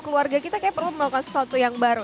keluarga kita kayak perlu melakukan sesuatu yang baru